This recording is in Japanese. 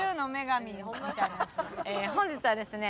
本日はですね